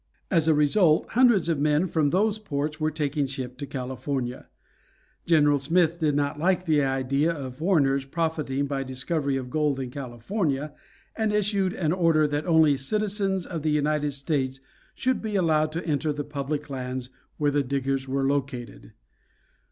As a result hundreds of men from those ports were taking ship to California. General Smith did not like the idea of foreigners profiting by the discovery of gold in California, and issued an order that only citizens of the United States should be allowed to enter the public lands where the diggings were located.